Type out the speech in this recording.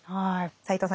斎藤さん